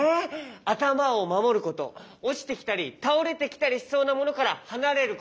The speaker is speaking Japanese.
あたまをまもることおちてきたりたおれてきたりしそうなものからはなれること。